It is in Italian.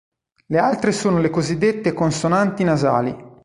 Le altre sono le cosiddette consonanti nasali.